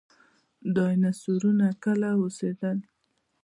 ډیناسورونه کله اوسیدل؟